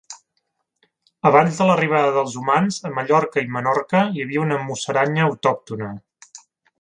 Abans de l'arribada dels humans, a Mallorca i Menorca hi havia una musaranya autòctona.